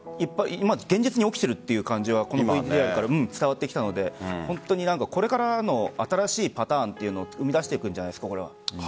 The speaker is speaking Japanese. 現実に起きているという感じはＶＴＲから伝わってきたので本当にこれからの新しいパターンというのを生み出していくんじゃないですか。